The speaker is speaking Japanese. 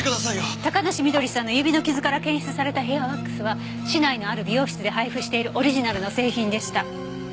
高梨翠さんの指の傷から検出されたヘアワックスは市内のある美容室で配布しているオリジナルの製品でした。